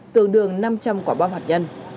tương đương năm trăm linh quả bom hạt nhân